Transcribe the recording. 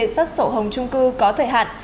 tuy nhiên đề xuất sổ hồng trung cư có thời hạn